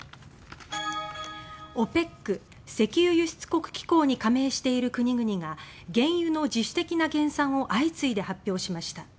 ＯＰＥＣ・石油輸出国機構に加盟している国々が原油の自主的な減産を相次いで発表しました。